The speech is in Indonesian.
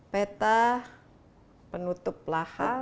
peta penutup lahan